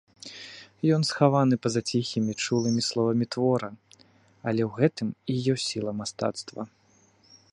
Ён схаваны па-за ціхімі, чулымі словамі твора, але ў гэтым і ёсць сіла мастацтва.